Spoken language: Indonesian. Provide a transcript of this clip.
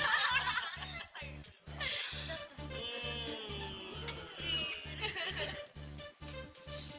mas malam malam begini